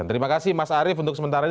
terima kasih mas arief untuk sementara ini